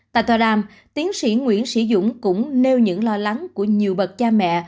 tại tòa đàm tiến sĩ nguyễn sĩ dũng cũng nêu những lo lắng của nhiều bậc cha mẹ